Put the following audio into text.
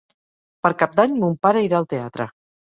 Per Cap d'Any mon pare irà al teatre.